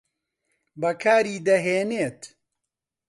بەکاری دەهێنێت